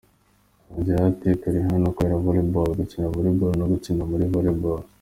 Yongeyeho ati “ Turi hano kubera Volleyball, gukina Volleyball no gutsinda muri Volleyball.